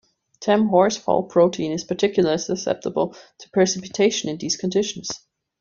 Tamm-Horsfall protein is particularly susceptible to precipitation in these conditions.